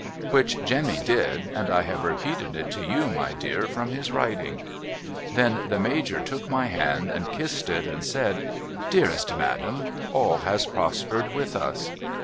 Which Jemmy did, and I have repeated it to you my dear from his writing. Then the Major took my hand and kissed it, and said, ' Dearest madam all has prospered with us.'